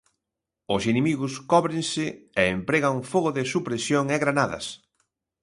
Os inimigos cóbrense e empregan fogo de supresión e granadas.